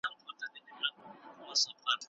هغه خپله استثناء توجيه کوي